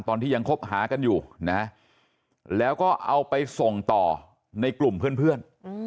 ตอนที่ยังคบหากันอยู่นะแล้วก็เอาไปส่งต่อในกลุ่มเพื่อน